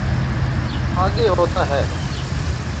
آگے ہوتا ہے۔